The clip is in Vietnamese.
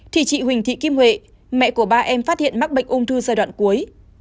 thì chị huỳnh thị kim huệ mẹ của ba em phát hiện mắc bệnh ung thư giai đoạn cuối